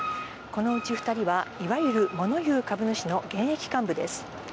このうち２人はいわゆる、もの言う株主の現役幹部です。